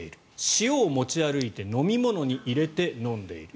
塩を持ち歩いて飲み物に入れて飲んでいる。